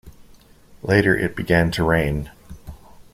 Later it began to rain.